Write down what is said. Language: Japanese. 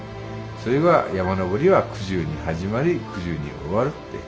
それは「山登りはくじゅうに始まりくじゅうに終わる」って。